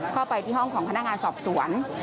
เข้าไปที่ห้องของพนักงานสอบสวน